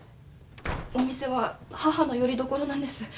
お店は母のよりどころなんです。